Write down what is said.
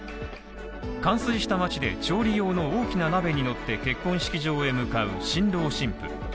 冠水した街で調理用の大きな鍋に乗って結婚式場へ向かう新郎新婦。